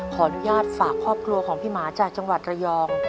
ขออนุญาตฝากครอบครัวของพี่หมาจากจังหวัดระยอง